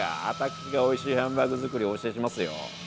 私がおいしいハンバーグ作りお教えしますよ。